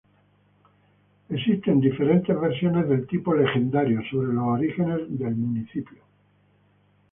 Existen diferentes versiones de tipo "legendario" sobre los orígenes del municipio.